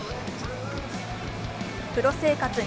プロ生活